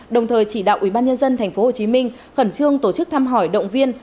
đồng thời chỉ đạo ubnd tp hcm khẩn trương tổ chức thăm hỏi động viên